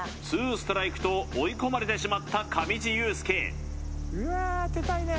ストライクと追い込まれてしまった上地雄輔・うわー当てたいね